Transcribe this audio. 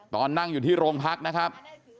ตอนนั่งอยู่ที่โรงพักนะครับ